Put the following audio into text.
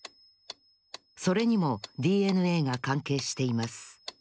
それにもＤＮＡがかんけいしています。